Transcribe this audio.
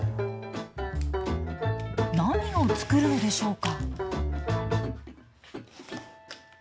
何を作るのでしょうか？